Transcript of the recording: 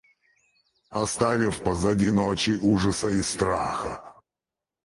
Оставив позади ночи ужаса и страха,.